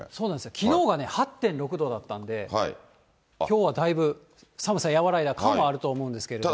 きのうがね、８．６度だったんで、きょうはだいぶ寒さ和らいだ感はあると思うんですけども。